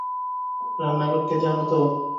রান্না করতে জানো তো?